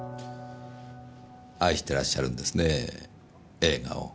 愛してらっしゃるんですねぇ映画を。